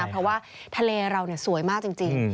เพราะว่าทะเลเราสวยมากจริง